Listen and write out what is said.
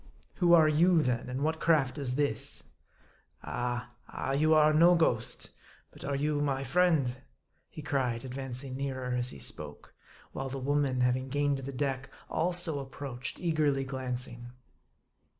" Who are you then ; and what craft is this ?" M A R D I. 85 " Ah, ah you are no ghost ; but are you my friend ?" he cried, advancing nearer as he spoke ; while the woman, having gained the deck, also approached, eagerly glancing.